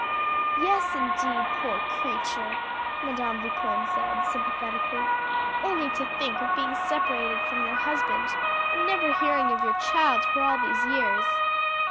"Yes, indeed, poor creature," Madame Vipon said sympathetically. "Only to think of being separated from your husband, and never hearing of your child for all these years!"